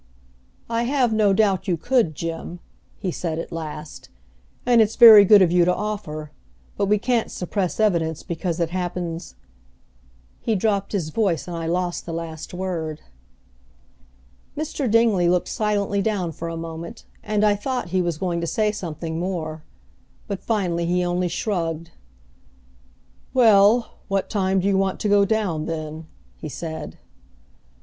"I have no doubt you could, Jim," he said at last, "and it's very good of you to offer, but we can't suppress evidence because it happens " He dropped his voice and I lost the last word. Mr. Dingley looked silently down for a moment, and I thought he was going to say something more, but finally he only, shrugged. "Well, what time do you want to go down, then?" he said.